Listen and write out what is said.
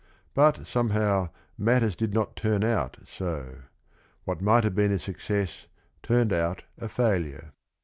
But somehow matters did not turn out so; what might have been a success turned out a failure.